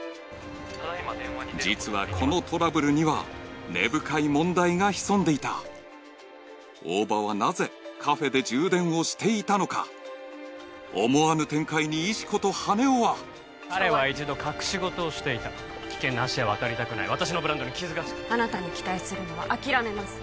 実はこのトラブルには根深い問題が潜んでいた大庭はなぜカフェで充電をしていたのか思わぬ展開に石子と羽男は彼は一度隠し事をしていた危険な橋は渡りたくない私のブランドに傷がつくあなたに期待するのは諦めます